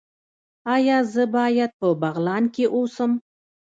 ایا زه باید په بغلان کې اوسم؟